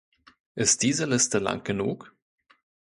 Ist diese Liste lang genug?